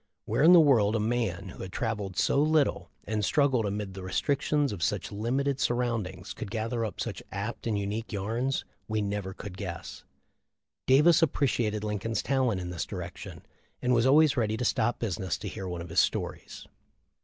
Where in the world a man who had travelled so little and struggled amid the restric tions of such limited surroundings could gather up such apt and unique yarns we never could guess. Davis appreciated Lincoln's talent in this direction, and was always ready to stop business to hear one of his stories.